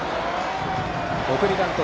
送りバント